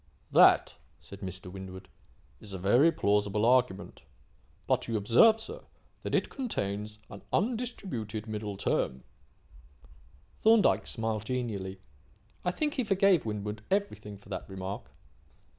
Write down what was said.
"That," said Mr. Winwood, "is a very plausible argument. But, you observe, sir, that it contains an undistributed middle term." Thorndyke smiled genially. I think he forgave Winwood everything for that remark.